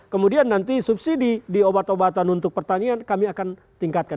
kemudian nanti subsidi di obat obatan untuk pertanian kami akan tingkatkan